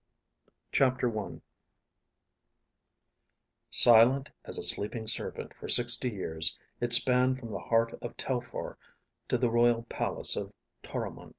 CHAPTER I Silent as a sleeping serpent for sixty years, it spanned from the heart of Telphar to the royal palace of Toromon.